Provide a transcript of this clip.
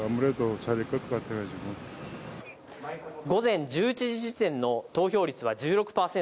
午前１１時時点の投票率は１６％。